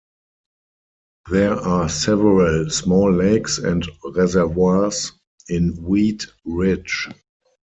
There are several small lakes and reservoirs in Wheat Ridge.